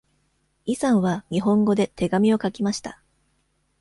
イさんは日本語で手紙を書きました。